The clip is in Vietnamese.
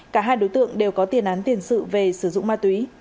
cả hai đối tượng đều có tiền án tiền sự về sử dụng ma túy